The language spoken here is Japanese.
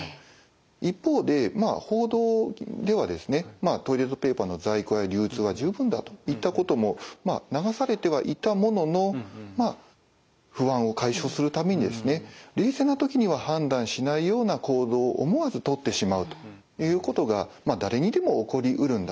一方で報道ではですねトイレットペーパーの在庫や流通は十分だといったことも流されてはいたものの不安を解消するためにですね冷静な時には判断しないような行動を思わずとってしまうということが誰にでも起こりうるんだと。